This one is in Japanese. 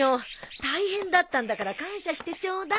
大変だったんだから感謝してちょうだい。